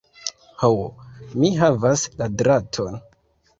Ho, mi havas la draton!